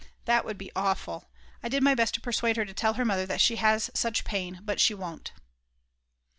That would be awful! I did my best to persuade her to tell her mother that she has such pain; but she won't.